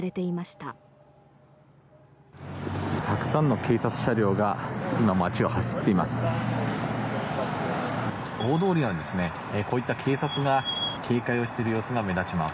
たくさんの警察車両が今、街を走っています。